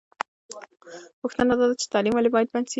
پوښتنه دا ده چې تعلیم ولې باید بند سي؟